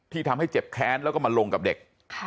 ทำให้เจ็บแค้นแล้วก็มาลงกับเด็ก